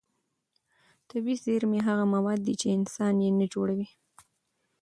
طبیعي زېرمې هغه مواد دي چې انسان یې نه جوړوي.